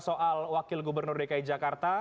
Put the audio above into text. soal wakil gubernur dki jakarta